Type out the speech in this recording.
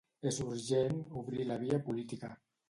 És urgent obrir la via política.